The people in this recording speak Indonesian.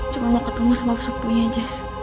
cuma mau ketemu sama sepupunya jess